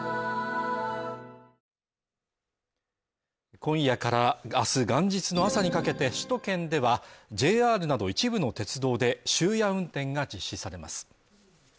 今夜から明日元日の朝にかけて首都圏ではＪＲなど一部の鉄道で終夜運転が実施されます。